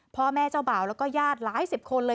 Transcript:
พ่อแม่เจ้าบ่าวแล้วก็ญาติหลายสิบคนเลย